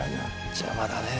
邪魔だね。